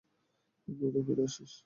দ্রতু ফিরে আসিস।